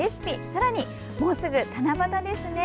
さらにもうすぐ七夕ですね。